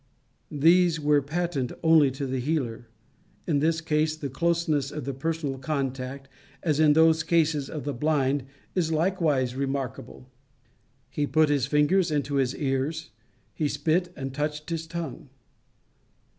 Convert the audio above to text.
These were patent only to the Healer. In this case the closeness of the personal contact, as in those cases of the blind, is likewise remarkable. "He put his fingers into his ears, he spit and touched his tongue."